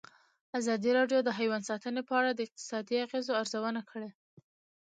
ازادي راډیو د حیوان ساتنه په اړه د اقتصادي اغېزو ارزونه کړې.